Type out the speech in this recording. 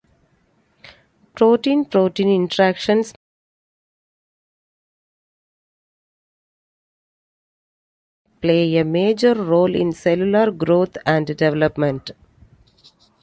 Protein-protein interactions play a major role in cellular growth and development.